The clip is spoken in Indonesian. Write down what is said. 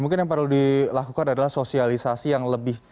mungkin yang perlu dilakukan adalah sosialisasi yang lebih